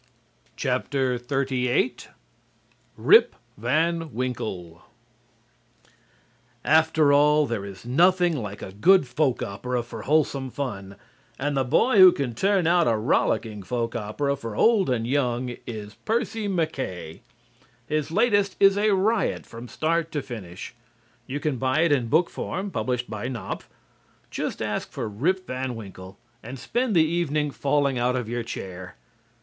XXXVIII "RIP VAN WINKLE" After all, there is nothing like a good folk opera for wholesome fun, and the boy who can turn out a rollicking folk opera for old and young is Percy MacKaye. His latest is a riot from start to finish. You can buy it in book form, published by Knopf. Just ask for "Rip Van Winkle" and spend the evening falling out of your chair.